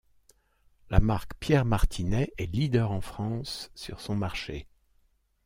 La marque Pierre Martinet est leader en France sur son marché.